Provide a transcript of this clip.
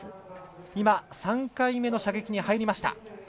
今、３回目の射撃に入りました。